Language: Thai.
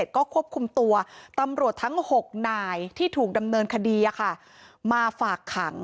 ก็ควบคุมตัวตำรวจทั้ง๖นายที่ถูกดำเนินคดีมาฝากขัง